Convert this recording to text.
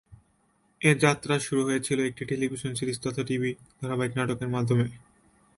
এর যাত্রা শুরু হয়েছিল একটি টেলিভিশন সিরিজ তথা টিভি ধারাবাহিক নাটকের মাধ্যমে।